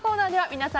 皆さん